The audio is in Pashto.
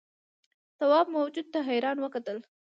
تواب موجود ته حیران وکتل.